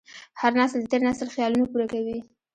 هر نسل د تېر نسل خیالونه پوره کوي.